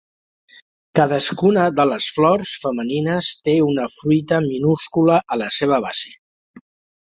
Cadascuna de les flors femenines té una fruita minúscula a la seva base.